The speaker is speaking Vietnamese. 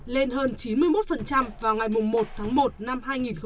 lên hơn chín mươi một vào ngày một tháng một năm hai nghìn một mươi tám